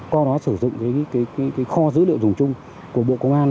qua đó sử dụng kho dữ liệu dùng chung của bộ công an